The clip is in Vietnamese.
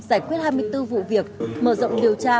giải quyết hai mươi bốn vụ việc mở rộng điều tra